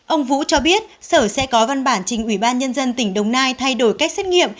ông vũ cho biết sở sẽ có văn bản trình ủy ban nhân dân tỉnh đồng nai thay đổi cách xét nghiệm